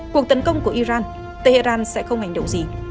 cuộc tấn công của iran tehran sẽ không hành động gì